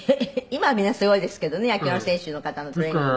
今みんなすごいですけどね野球の選手の方のトレーニングは。